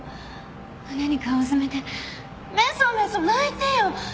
胸に顔うずめてめそめそ泣いてよ。